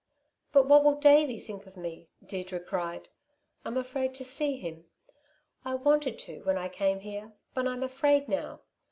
"But what will Davey think of me?" Deirdre cried. "I'm afraid to see him I wanted to, when I came here but I'm afraid now.